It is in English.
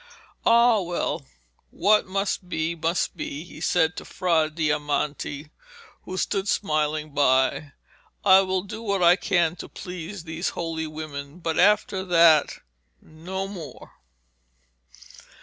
'Ah, well, what must be, must be,' he said to Fra Diamante, who stood smiling by. 'I will do what I can to please these holy women, but after that no more.'